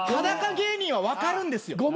裸芸人は分かるんですよ。